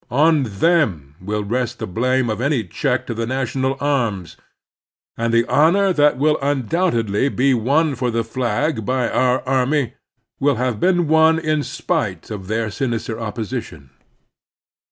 On them will rest the blame of any check to the national arms, and the honor that will undoubtedly be won for the flag by our army will have been won in spite of their sinister opposition.